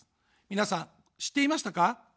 皆さん、知っていましたか。